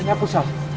ini aku salah